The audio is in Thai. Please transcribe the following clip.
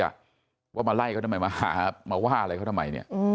จะไล่เขาทำไมมาหาว่าอะไรเข้าทำไม